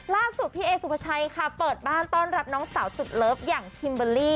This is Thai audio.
ล่าสุดพี่เอสุภาชัยค่ะเปิดบ้านต้อนรับน้องสาวสุดเลิฟอย่างคิมเบอร์รี่